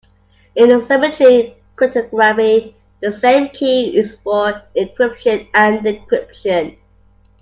In symmetric cryptography the same key is used for encryption and decryption.